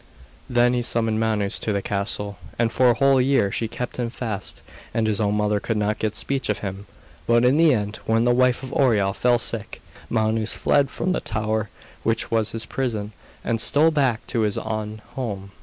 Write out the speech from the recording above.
Then she summoned Manus to the castle, and for a whole year she kept him fast, and his own mother could not get speech of him. But in the end, when the wife of Oireal fell sick, Manus fled from the tower which was his prison, and stole back to his on home.